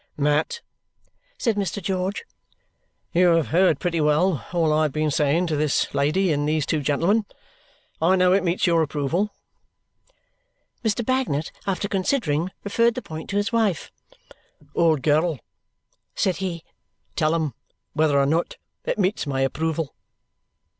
"Mat," said Mr. George, "you have heard pretty well all I have been saying to this lady and these two gentlemen. I know it meets your approval?" Mr. Bagnet, after considering, referred the point to his wife. "Old girl," said he. "Tell him. Whether or not. It meets my approval."